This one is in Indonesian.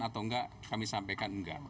atau enggak kami sampaikan enggak